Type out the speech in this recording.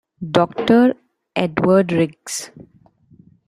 Doctor Edward Riggs.